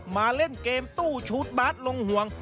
มาเล่นเกมตู้ชุดบาสลงห่วง